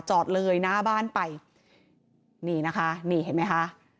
จอดเลยหน้าบ้านไปนี่นะคะนี่เห็นไหมคะ